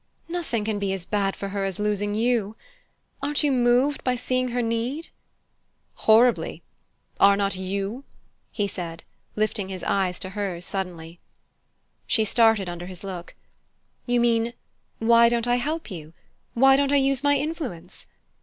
"Nothing can be as bad for her as losing you! Aren't you moved by seeing her need?" "Horribly are not you?" he said, lifting his eyes to hers suddenly. She started under his look. "You mean, why don't I help you? Why don't I use my influence?